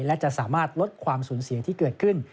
และจะสามารถลดความสูญเสียที่เกิดขึ้น